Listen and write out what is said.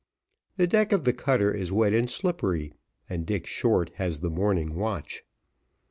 The deck of the cutter is wet and slippery, and Dick Short has the morning watch.